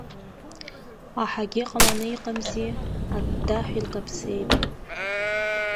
Аҳагьы ҟаланы иҟамзи, аддаҳа илкаԥсеит.